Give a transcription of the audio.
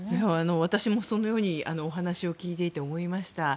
私もそのようにお話を聞いていて思いました。